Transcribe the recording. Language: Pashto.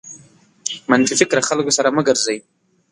منفي فکره خلکو سره مه ګرځٸ.